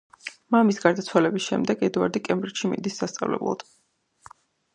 მამის გარდაცვალების შემდეგ, ედვარდი კემბრიჯში მიდის სასწავლებლად.